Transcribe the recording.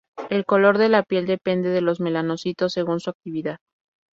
El color de la piel depende de los melanocitos, según su actividad.